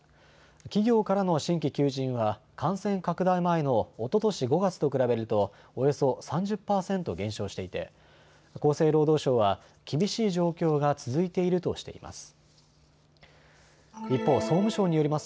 企業からの新規求人は感染拡大前のおととし５月と比べるとおよそ３０％減少していて厚生労働省は厳しい状況が続いているとしています。